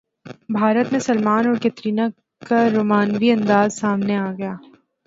بھارت میں سلمان اور کترینہ کا رومانوی انداز سامنے اگیا